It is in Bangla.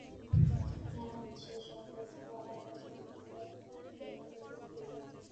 মেরামত শেষে সকাল সোয়া আটটার দিকে পুনরায় ট্রেন চলাচল শুরু হয়।